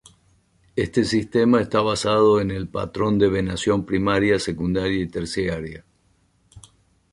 Este sistema está basado en el patrón de venación primaria, secundaria y terciaria.